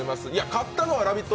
勝ったのは「ラヴィット！」